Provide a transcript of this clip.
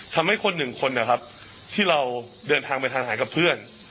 ทำให้คนหนึ่งคนนะครับที่เราเดินทางไปทานอาหารกับเพื่อน